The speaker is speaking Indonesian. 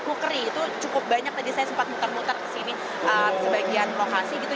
cookery itu cukup banyak tadi saya sempat muter muter ke sini sebagian lokasi gitu